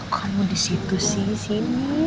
kamu di situ sih sini